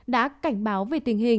đã cảnh báo về tình hình